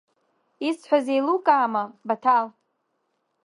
Исҳәаз еилукаама, Баҭал?